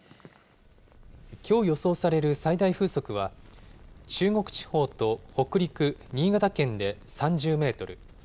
きょう予想される最大風速は中国地方と北陸、新潟県で３０メートル。